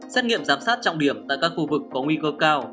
xét nghiệm giám sát trọng điểm tại các khu vực có nguy cơ cao